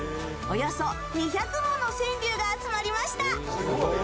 およそ２００もの川柳が集まりました。